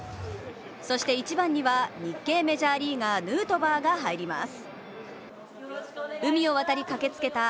そして１番には日系メジャーリーガーヌートバーが入ります。